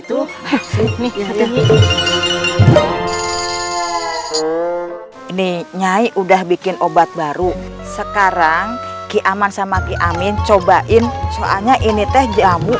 tuh ini nyai udah bikin obat baru sekarang ki aman sama ki amin cobain soalnya ini teh jamu